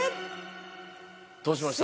どうしました？